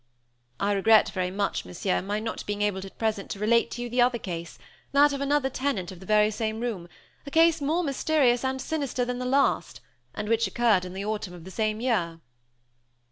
"I regret very much, Monsieur, my not being able at present to relate to you the other case, that of another tenant of the very same room a case more mysterious and sinister than the last and which occurred in the autumn of the same year."